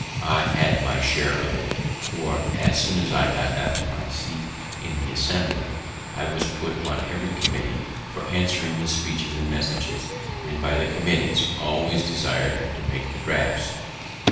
I had my share of it; for, as soon as I got back to my seat in the Assembly, I was put on every committee for answering his speeches and messages, and by the committees always desired to make the drafts.